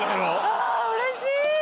あうれしい！